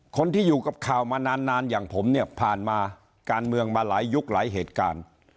คนที่อยู่กับข่าวมานานอย่างผมเนี่ยผ่านมาการเมืองมาหลายยุคหลายเหตุการณ์